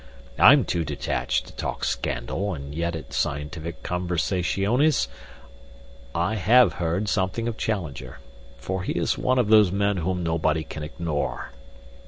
I'm too detached to talk scandal, and yet at scientific conversaziones I HAVE heard something of Challenger, for he is one of those men whom nobody can ignore.